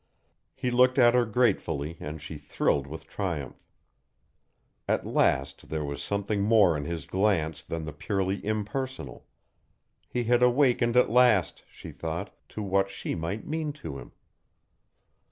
He looked at her gratefully and she thrilled with triumph. At last there was something more in his glance than the purely impersonal; he had awakened at last, she thought, to what she might mean to him.